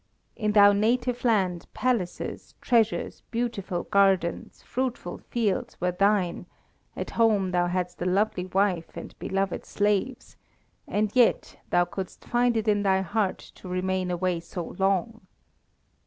In thy native land palaces, treasures, beautiful gardens, fruitful fields were thine; at home thou hadst a lovely wife and beloved slaves, and yet thou couldst find it in thy heart to remain away so long.